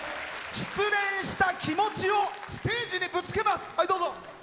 失恋した気持ちをステージにぶつけます。